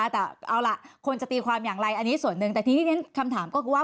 แต่เอาล่ะคนจะตีความอย่างไรอันนี้ส่วนหนึ่งแต่ทีนี้คำถามก็คือว่า